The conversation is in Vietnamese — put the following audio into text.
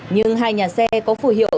nhưng hai nhà xe có phù hiệu